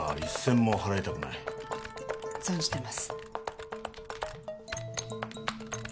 存じてます。